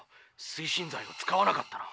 推進剤を使わなかったな。